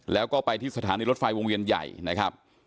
แล้วก็ไปที่สถานีรถไฟวงเวียนใหญ่นะครับ